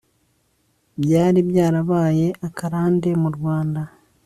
byari byarabaye akarande mu rwanda